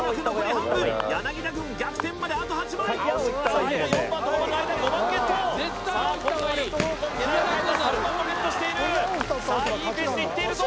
半分柳田軍逆転まであと８枚さあ今４番と５番の間５番ゲットさあ今度はレフト方向に狙いを変えた３番もゲットしているさあいいペースでいっているぞ